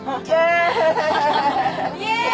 イエーイ